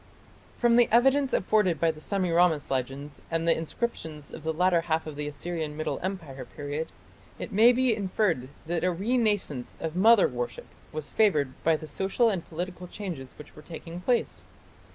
From the evidence afforded by the Semiramis legends and the inscriptions of the latter half of the Assyrian Middle Empire period, it may be inferred that a renascence of "mother worship" was favoured by the social and political changes which were taking place.